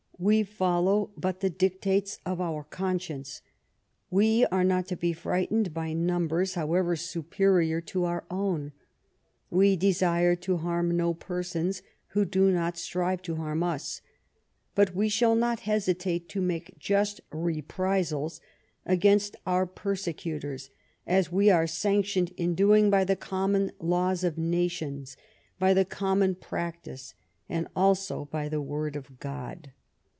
We follow but the dictates of our conscience. We are not to be frightened by numbers, however superior to our own. We desire to harm no persons who do not strive to harm us. But we shall not hesitate to make just reprisals against our persecutors as we are sanc tioned in doing by the common laws of nations, by the common practice, and also by the Word of God."